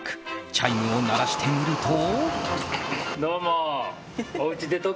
チャイムを鳴らしてみると。